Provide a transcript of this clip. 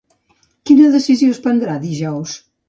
Quina decisió es prendrà dijous?